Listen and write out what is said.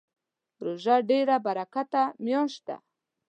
روژه ډیره مبارکه میاشت ده